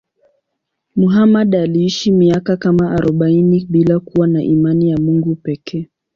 Muhammad aliishi miaka kama arobaini bila kuwa na imani ya Mungu pekee.